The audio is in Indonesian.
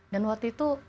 dan waktu itu